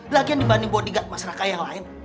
lagi dibanding bodyguard mas raka yang lain